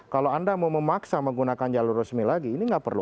kalau anda mau memaksa menggunakan jalur resmi lagi ini nggak perlu